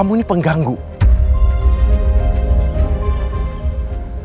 cukup mengganggu elsa dan mino